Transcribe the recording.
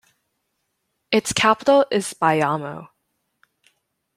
Its capital is Bayamo.